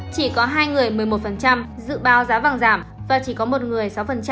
chỉ có hai người một mươi một dự báo giá vàng giảm và chỉ có một người sáu